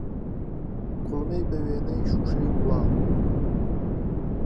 کوڵمەى بهوێنەی شوشەیگوڵاو